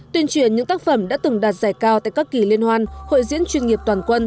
tuyên truyền những tác phẩm đã từng đạt giải cao tại các kỳ liên hoan hội diễn chuyên nghiệp toàn quân